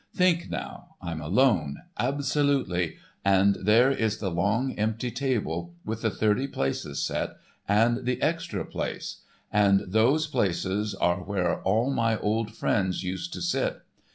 Think now. I'm alone, absolutely, and there is the long empty table, with the thirty places set, and the extra place, and those places are where all my old friends used to sit.